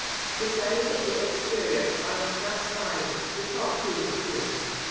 The sides of the exterior are of cast iron, the top being of wood.